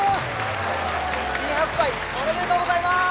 新発売おめでとうございます！